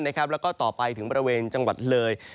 แล้วก็ต่อไปถึงบริเวณจังหวัดเลย